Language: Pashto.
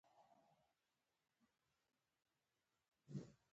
داخلي سیاست د ملي حاکمیت ساتنه هم ده.